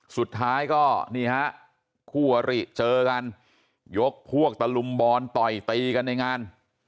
สุดท้ายก็นี่ฮะคู่อริเจอกันยกพวกตะลุมบอลต่อยตีกันในงาน